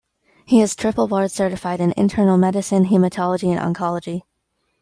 He is triple-board-certified in internal medicine, hematology and oncology.